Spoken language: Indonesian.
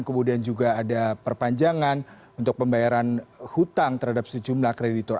kemudian juga ada perpanjangan untuk pembayaran hutang terhadap sejumlah kreditor